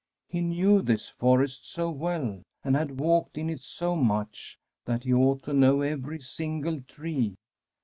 He knew this forest so well, and had walked in it so much, that he ought to know every single tree.